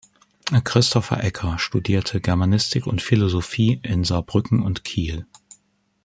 Christopher Ecker studierte Germanistik und Philosophie in Saarbrücken und Kiel.